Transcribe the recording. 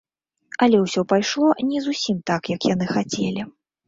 Але ўсё пайшло не зусім так, як яны хацелі.